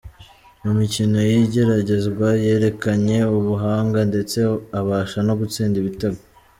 Mu mikino y’igeragezwa, yerekanye ubuhanga, ndetse abasha no gutsinda ibitego.